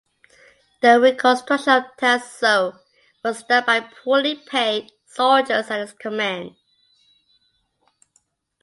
The reconstruction of Tanzhou was done by poorly paid soldiers at his command.